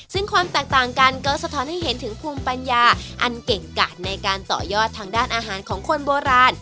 ซึ่งความแตกต่างกันก็สะท้อนให้เห็นถึงภูมิปัญญาอันเก่งกาดในการต่อยอดทางด้านอาหารของคนโบราณ